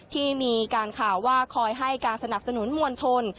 ที่มีการข่าวว่าคอยให้การสนับสนุนมวลชน